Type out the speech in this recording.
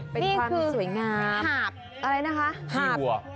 เป็นความสวยงามนี่คือหาบอะไรนะคะหาบขี้บัว